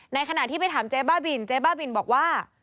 ขณะที่ไปถามเจ๊บ้าบินเจ๊บ้าบินบอกว่า